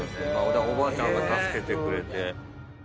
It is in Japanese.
おばあちゃんが助けてくれて。